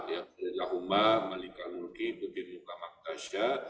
yang terdiri lahumah malikamulki tutir mukamaktasya